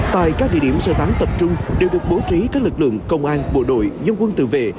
tại các địa điểm sơ tán tập trung đều được bố trí các lực lượng công an bộ đội dân quân tự vệ